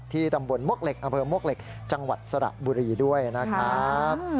ตำบลมวกเหล็กอำเภอมวกเหล็กจังหวัดสระบุรีด้วยนะครับ